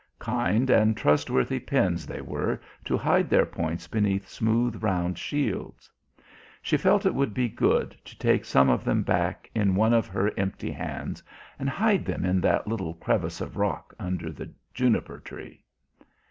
Kind and trustworthy pins they were to hide their points beneath smooth round shields. She felt it would be good to take some of them back in one of her empty hands and hide them in that little crevice of rock under the juniper tree.